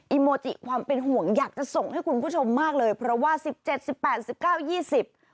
โมจิความเป็นห่วงอยากจะส่งให้คุณผู้ชมมากเลยเพราะว่าสิบเจ็ดสิบแปดสิบเก้ายี่สิบ